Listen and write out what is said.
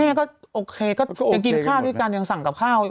แม่ก็โอเคก็ยังกินข้าวด้วยกันยังสั่งกับข้าว